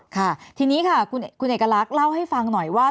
ค่ะทีนี้ค่ะคุณเอกลักษณ์เล่าให้ฟังหน่อยว่า